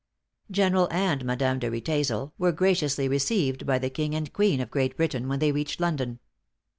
General and Madame de Riedesel were graciously received by the king and queen of Great Britain when they reached London.